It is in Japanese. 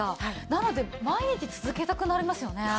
なので毎日続けたくなりますよね。